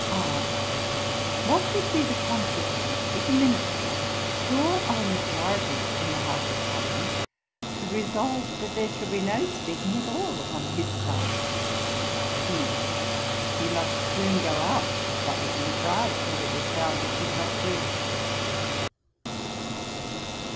R. 'What would be the consequence, if a Minister, sure of a majority in the House of Commons, should resolve that there should be no speaking at all upon his side.' E. 'He must soon go out. That has been tried; but it was found it would not do.'